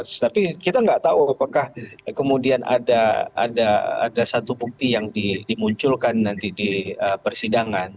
tapi kita nggak tahu apakah kemudian ada satu bukti yang dimunculkan nanti di persidangan